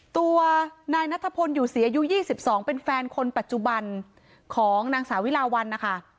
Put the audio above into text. ตัวนายนัทพลอยู่ศรีอายุ๒๒เป็นแฟนคนปัจจุบันของนางสาวิลาวันนะคะ